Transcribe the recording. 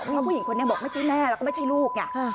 เพราะผู้หญิงคนนี้บอกไม่ใช่แม่แล้วก็ไม่ใช่ลูกไง